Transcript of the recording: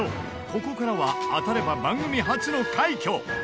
ここからは当たれば番組初の快挙！